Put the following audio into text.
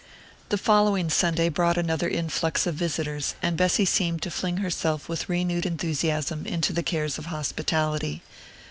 The following Sunday brought another influx of visitors, and Bessy seemed to fling herself with renewed enthusiasm into the cares of hospitality.